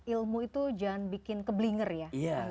ilmu itu jangan bikin keblinger ya